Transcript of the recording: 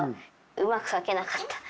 うまく描けなかった。